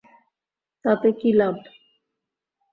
তাতে কী লাভ?